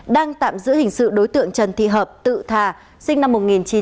đang tạm giữ hình sự đối tượng trần thị hợp tự thà sinh năm một nghìn chín trăm tám mươi